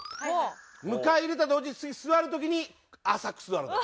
迎え入れたと同時に次座る時に浅く座るの。